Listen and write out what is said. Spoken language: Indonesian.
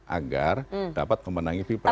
agar dapat memenangi pilpres